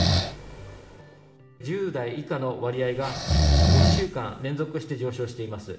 １０代以下の割合が５週間連続して上昇しています。